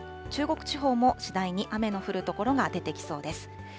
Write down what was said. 中国地方も次第に雨の降る所が出てきそうです。